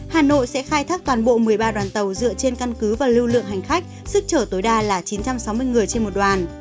hà nội sẽ khai thác toàn bộ một mươi ba đoàn tàu dựa trên căn cứ và lưu lượng hành khách sức chở tối đa là chín trăm sáu mươi người trên một đoàn